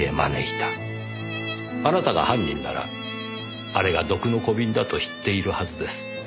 あなたが犯人ならあれが毒の小瓶だと知っているはずです。